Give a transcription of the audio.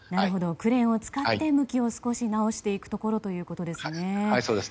クレーンを使って向きを少し直していくところということですね。